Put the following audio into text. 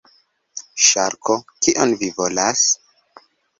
Ŝarko: "Kion vi volas?"